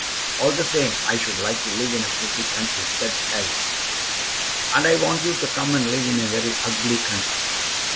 "All the same, I should like to live in a pretty country," said Alice. "And I want you to come and live in a very ugly country."